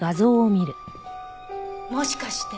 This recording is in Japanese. もしかして。